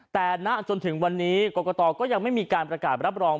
แต่ณจนถึงวันนี้กรกตก็ยังไม่มีการประกาศรับรอง